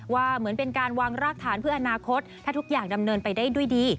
ว่าเหมือนเป็นการวางรากฐานเพื่ออนาคตถ้าทุกอย่างดำเนินไปได้ด้วยดี